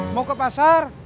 mau ke pasar